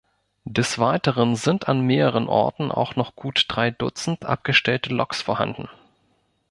Des Weiteren sind an mehreren Orten auch noch gut drei Dutzend abgestellte Loks vorhanden.